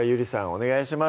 お願いします